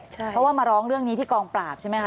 เพราะว่ามาร้องเรื่องนี้ที่กองปราบใช่ไหมคะ